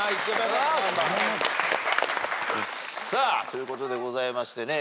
ということでございましてね